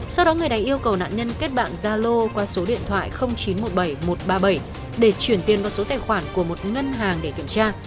sau đó người này yêu cầu nạn nhân kết bạn gia lô qua số điện thoại chín trăm một mươi bảy một trăm ba mươi bảy để chuyển tiền vào số tài khoản của một ngân hàng để kiểm tra